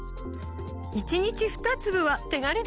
１日２粒は手軽ですね！